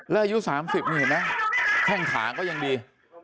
แล้วยู๓๐นี่เห็นมั้ยท่องถางก็ยังดี